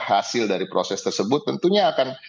hasil dari proses tersebut tentunya akan